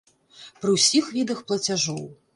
Пры ўсіх відах плацяжоў.